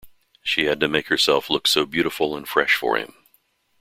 She had made herself look so beautiful and fresh for him.